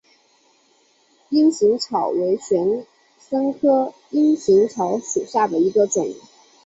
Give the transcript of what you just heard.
阴行草为玄参科阴行草属下的一个种。